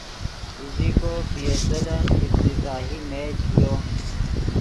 ایزیکو پی ایس ایلن افتتاحی میچ ڤیو